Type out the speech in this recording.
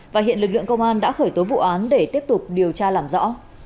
và hiện lực lượng công an đã khởi tố vụ án để tiếp tục điều tra làm rõ